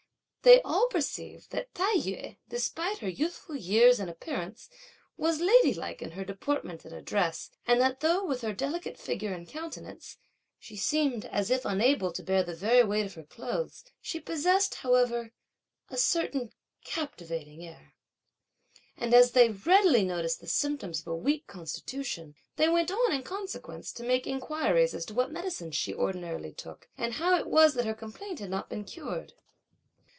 They all perceived that Tai yü, despite her youthful years and appearance, was lady like in her deportment and address, and that though with her delicate figure and countenance, (she seemed as if) unable to bear the very weight of her clothes, she possessed, however, a certain captivating air. And as they readily noticed the symptoms of a weak constitution, they went on in consequence to make inquiries as to what medicines she ordinarily took, and how it was that her complaint had not been cured.